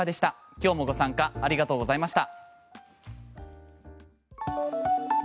今日もご参加ありがとうございました。